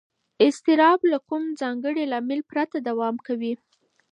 اضطراب له کوم ځانګړي لامل پرته دوام کوي.